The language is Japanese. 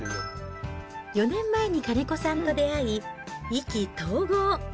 ４年前に金子さんと出会い、意気投合。